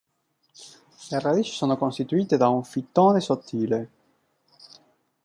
Le radici sono costituite da un fittone sottile.